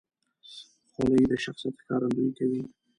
خولۍ د شخصیت ښکارندویي کوي.